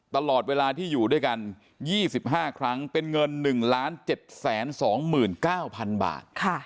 ตลอดเวลาที่อยู่ด้วยกัน๒๕ครั้งเป็นเงิน๑๗๒๙๐๐๐บาท